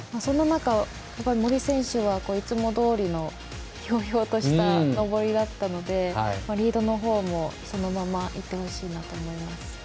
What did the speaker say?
そんな中、森選手はいつもどおりのひょうひょうとした登りだったのでリードの方もそのままいってほしいと思います。